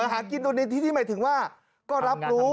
หากินตรงนี้ที่นี่หมายถึงว่าก็รับรู้